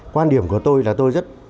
quan điểm của tôi là tôi rất